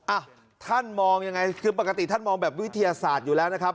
อ่ะท่านมองยังไงคือปกติท่านมองแบบวิทยาศาสตร์อยู่แล้วนะครับ